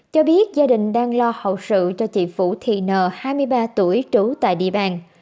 cho biết gia đình đang lo hậu sự cho chị phụ thị n hai mươi ba tuổi trú tại địa bàn